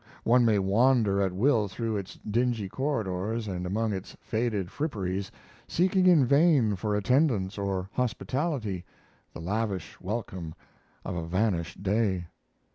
One may wander at will through its dingy corridors and among its faded fripperies, seeking in vain for attendance or hospitality, the lavish welcome of a vanished day.